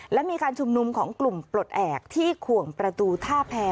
และมีการชุมนุมของกลุ่มปลดแอบที่ขวงประตูท่าแพร